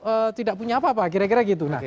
eh tidak punya apa apa kira kira gitu